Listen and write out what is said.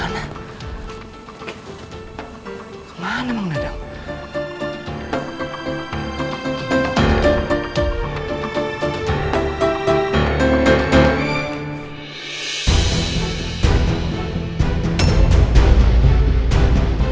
saya kurang mengerti